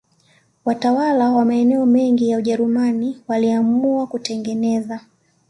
Watawala wa maeneo mengi ya Ujerumani waliamua kutengeneza